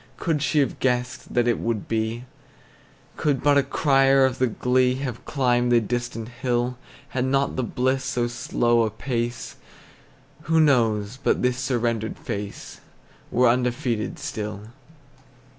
Could she have guessed that it would be; Could but a crier of the glee Have climbed the distant hill; Had not the bliss so slow a pace, Who knows but this surrendered face Were undefeated still?